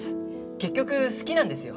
結局好きなんですよ